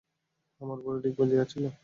আমার ভুঁড়ি ডিগবাজি খাচ্ছিলো।